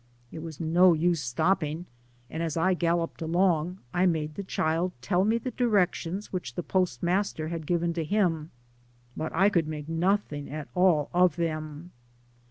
It was no use stop ping, and as I galloped along, I made the chikl repeat to me the directions which the post master had given to him, but I could make nothing at all of them.